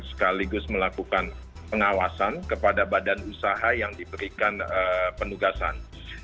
sekaligus melakukan pengawasan kepada badan usaha yang diberikan penugasan